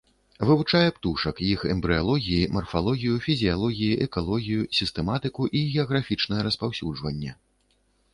Вывучае птушак, іх эмбрыялогіі, марфалогію, фізіялогіі, экалогію, сістэматыку і геаграфічнае распаўсюджванне.